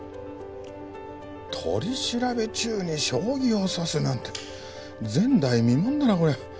取り調べ中に将棋を指すなんて前代未聞だなこりゃ。